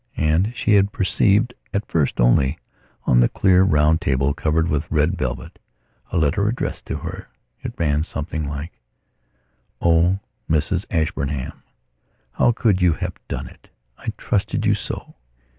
And she had perceived at first only, on the clear, round table covered with red velvet, a letter addressed to her. It ran something like: "Oh, Mrs Ashburnham, how could you have done it? I trusted you so.